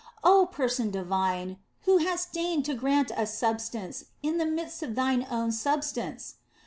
Oh, Person Divine, who hast deigned to grant us substance in the midst of Thine own Substance